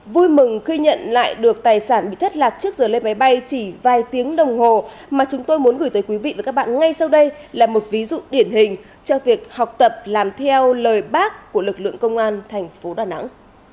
vui mừng khi nhận lại được tài sản bị thất lạc trước giờ lên máy bay chỉ vài tiếng đồng hồ mà chúng tôi muốn gửi tới quý vị và các bạn ngay sau đây là một ví dụ điển hình cho việc học tập làm theo lời bác của lực lượng công an thành phố đà nẵng